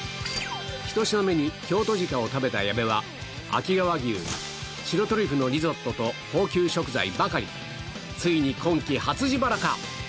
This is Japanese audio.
１品目に京都鹿を食べた矢部は秋川牛白トリュフのリゾットと高級食材ばかりついに今期初自腹か？